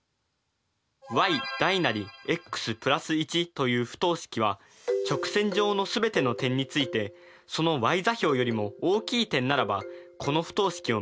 ｙｘ＋１という不等式は直線上の全ての点についてそのｙ座標よりも大きい点ならばこの不等式を満たします。